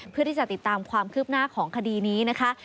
เพื่อที่จะติดตามความคืบหน้าของคดีนี้นะคะ